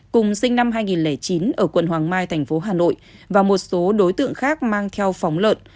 cùng sinh năm hai nghìn chín ở quận hoàng mai thành phố hà nội và một số đối tượng khác mang theo phóng lợn